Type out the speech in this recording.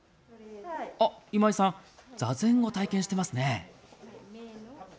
あ、今井さん座禅を体験していますね。